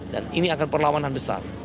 dan ini akan perlawanan besar